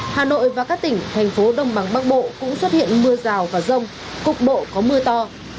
hà nội và các tỉnh thành phố đông bằng bắc bộ cũng xuất hiện mưa rào và rông cục bộ có mưa to